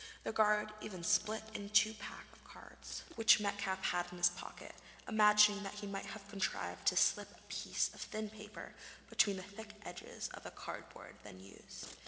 The guard even split in two a pack of cards which Metcalfe had in his pocket, imagining that he might have contrived to slip a piece of thin paper between the thick edges of the cardboard then used.